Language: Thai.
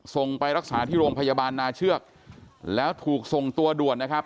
ส่งไปรักษาที่โรงพยาบาลนาเชือกแล้วถูกส่งตัวด่วนนะครับ